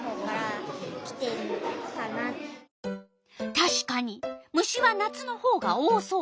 たしかに虫は夏のほうが多そう。